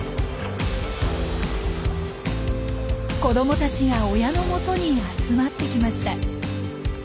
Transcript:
子どもたちが親のもとに集まってきました。